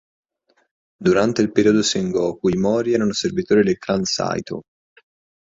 Durante il periodo Sengoku i Mori erano servitori del clan Saitō.